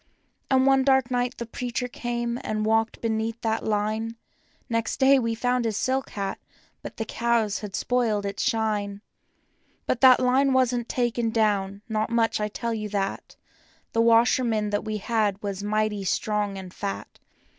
And one dark night the preacher came and walked beneath that line. Next day we found his silk hat, but the cows had spoiled its shine; But that line wasn't taken down, not much, I tell you that— The washerwoman that we had was mighty strong and fat.